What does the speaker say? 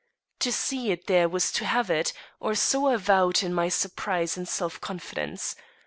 To see it there was to have it; or so I vowed in my surprise and self confidence.